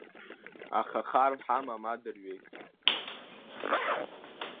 Аха хар ҳамам адырҩегь.